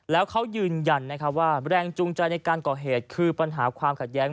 แล้วเขายืนยันว่าแรงจูงใจในการก่อเหตุคือปัญหาความขัดแย้ง